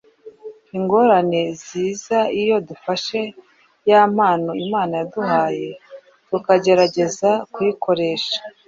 Ingorane ziza iyo dufashe ya mpano Imana yaduhaye tukagerageza kuyikoresha